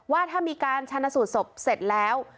ว่าถ้ามีการชนะสูตรศพเสร็จแล้ว